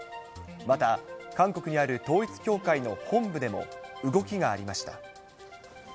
また、韓国にある統一教会の本部でも、動きがありました。